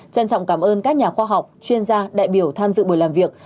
trân trọng cảm ơn các nhà khoa học chuyên gia đại biểu tham dự buổi làm việc